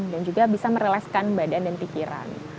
dan juga bisa mereleskan badan dan pikiran